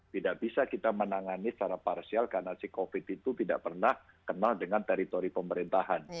tidak bisa kita menangani secara parsial karena si covid itu tidak pernah kenal dengan teritori pemerintahan